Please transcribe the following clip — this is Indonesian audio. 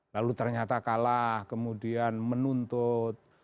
lalu ternyata kalah kemudian menuntut